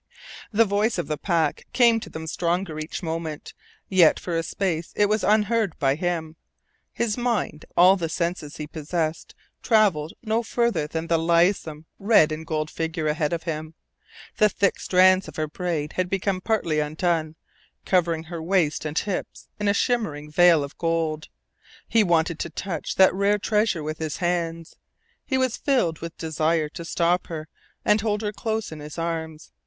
The voice of the pack came to them stronger each moment, yet for a space it was unheard by him. His mind all the senses he possessed travelled no farther than the lithesome red and gold figure ahead of him. The thick strands of her braid had become partly undone, covering her waist and hips in a shimmering veil of gold. He wanted to touch that rare treasure with his hands. He was filled with the desire to stop her, and hold her close in his arms.